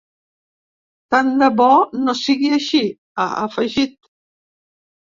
Tant de bo no sigui així, ha afegit.